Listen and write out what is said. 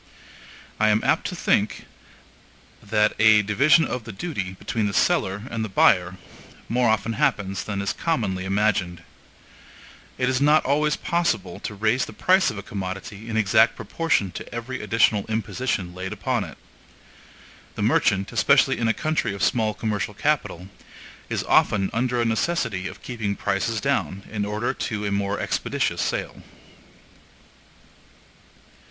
I am apt to think that a division of the duty, between the seller and the buyer, more often happens than is commonly imagined. It is not always possible to raise the price of a commodity in exact proportion to every additional imposition laid upon it. The merchant, especially in a country of small commercial capital, is often under a necessity of keeping prices down in order to a more expeditious sale.